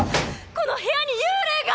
この部屋に幽霊が！